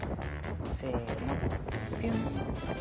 せのぴゅん。